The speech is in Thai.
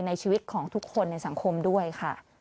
ในชีวิตของทุกคนในสังคมด้วยค่ะ